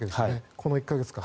この１か月間。